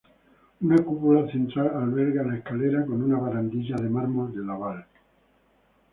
Una cúpula central alberga la escalera con una barandilla de mármol de Laval.